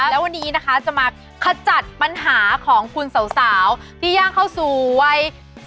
แล้ววันนี้นะคะจะมาขจัดปัญหาของคุณสาวที่ย่างข้าวสวย